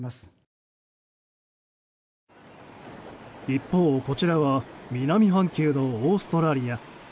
一方、こちらは南半球のオーストラリア。